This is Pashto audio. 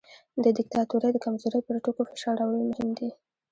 د دیکتاتورۍ د کمزورۍ پر ټکو فشار راوړل مهم دي.